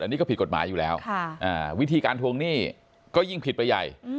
อันนี้ก็ผิดกฎหมายอยู่แล้ววิธีการทวงหนี้ก็ยิ่งผิดไปใหญ่